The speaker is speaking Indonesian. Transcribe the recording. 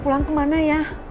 pulang kemana ya